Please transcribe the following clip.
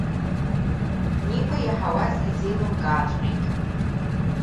Никәа иаҳауаз изеилымкааҵәҟьеит.